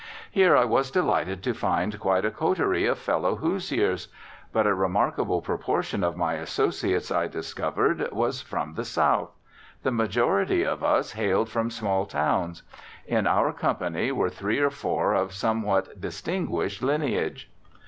Here I was delighted to find quite a coterie of fellow Hoosiers. But a remarkable proportion of my associates, I discovered, was from the South. The majority of us hailed from small towns. In our company were three or four of somewhat distinguished lineage.